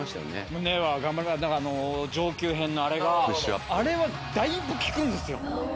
胸は頑張りだからあの上級編のあれがあれはだいぶ効くんですよ